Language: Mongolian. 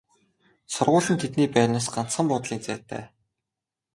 Сургууль нь тэдний байрнаас ганцхан буудлын зайтай.